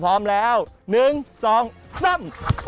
พร้อมแล้วหนึ่งสองสาม